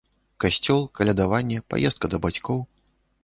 Касцёл, калядаванне, паездка да бацькоў.